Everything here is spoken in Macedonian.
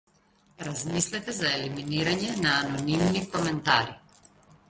Размислете за елиминирање на анонимни коментари.